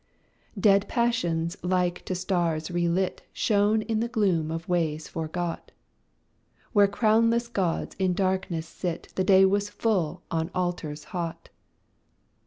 Dead passions like to stars relit Shone in the gloom of ways forgot; Where crownless gods in darkness sit The day was full on altars hot.